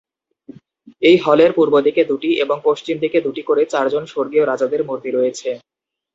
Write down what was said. এই হলের পূর্ব দিকে দুটি এবং পশ্চিম দিকে দুটি করে চারজন স্বর্গীয় রাজাদের মূর্তি রয়েছে।